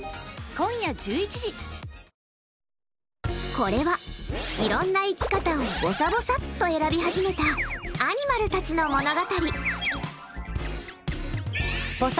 これはいろんな生き方をぼさぼさっと選び始めたアニマルたちの物語。